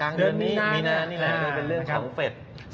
กลางเดือนนี้มีนานี่แหละเป็นเรื่องของเฟชฯนะครับนะครับ